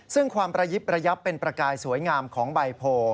ซึ่งความประยิบระยับเป็นประกายสวยงามของใบโพ